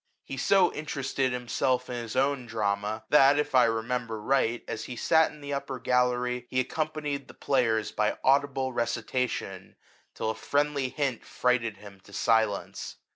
He so interested himself in his own drama, that, if I remember right, as he sat in the upper gallery, he accompanied the {layers by audible recitation, till a friendly hint frighted him to silence.